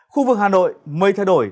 khu vực hà nội mây thay đổi